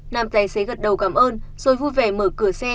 nam tài xế gật đầu cảm ơn rồi vui vẻ mở cửa xe